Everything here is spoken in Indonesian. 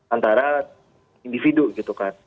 antara individu gitu kan